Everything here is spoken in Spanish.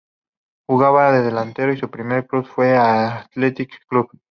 Jugaba de delantero y su primer club fue el Athletic Club.